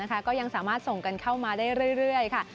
ก็ยังสามารถส่งกันเข้ามาได้เรื่อยค่ะ